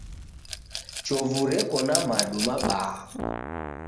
Chovu Reko na madu mabaha.